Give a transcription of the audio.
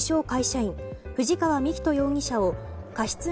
会社員藤川幹人容疑者を過失